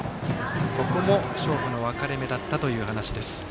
ここも勝負の分かれ目だったという話です。